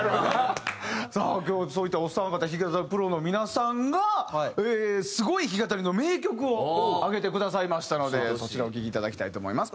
さあ今日そういったお三方弾き語りのプロの皆さんがすごい弾き語りの名曲を挙げてくださいましたのでそちらお聴きいただきたいと思います。